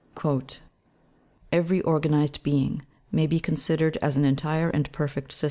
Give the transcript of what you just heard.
" Every organized being may be considered as an entire and perfect sys 18.